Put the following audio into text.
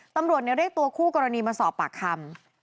ตำรวจเรียกตัวคู่กรณีมาสอบปากคำ